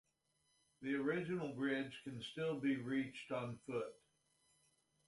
The original bridge can still be reached on foot.